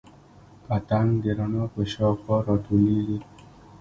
پتنګ د رڼا په شاوخوا راټولیږي